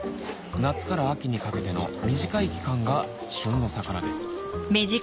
夏から秋にかけての短い期間が旬の魚です